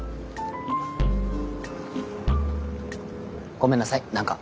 ごめんなさい何か。